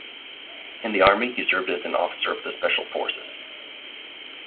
In the Army he served as an officer in the special forces.